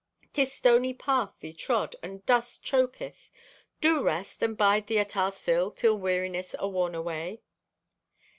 'Tis stony path thee trod, and dust choketh. Do rest, and bide thee at our sill till weariness awarn away.